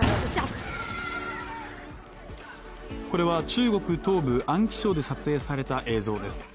これは、中国東部・安徽省で撮影された映像です。